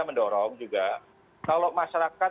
mendorong juga kalau masyarakat